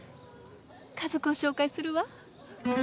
家族を紹介するわ。